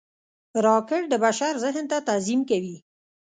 راکټ د بشر ذهن ته تعظیم کوي